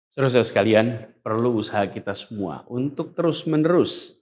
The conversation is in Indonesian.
terus terus kalian perlu usaha kita semua untuk terus menerus